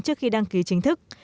trước khi đăng ký chính thức